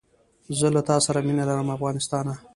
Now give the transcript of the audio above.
زه له تاسره مینه لرم افغانستانه